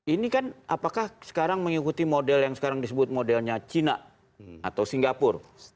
ini kan apakah sekarang mengikuti model yang sekarang disebut modelnya cina atau singapura